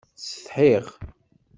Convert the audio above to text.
Ttsetḥiɣ.